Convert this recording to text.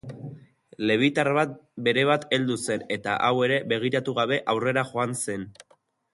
Lebitar bat berebat heldu zen, eta hau ere, begiratu gabe, aurrera joan zen.